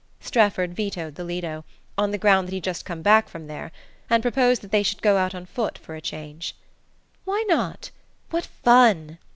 Strefford vetoed the Lido, on the ground that he'd just come back from there, and proposed that they should go out on foot for a change. "Why not? What fun!"